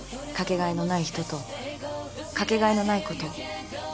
掛け替えのない人と掛け替えのないことを。